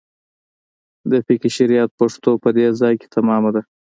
د فقه شریعت پښتو په دې ځای کې تمامه ده.